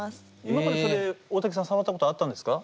今までそれ大瀧さんは触ったことあったんですか？